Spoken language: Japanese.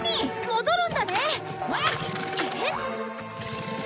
戻るんだね！